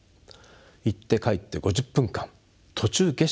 行って帰って５０分間途中下車禁止。